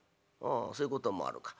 「あそういうこともあるか。